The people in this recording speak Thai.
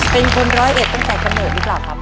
เป็นคนร้อยเอ็ดตั้งแต่กำเนิดหรือเปล่าครับ